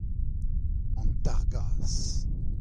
An targazh.